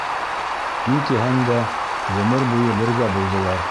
Ни тиһәң дә, ғүмер буйы бергә булдылар.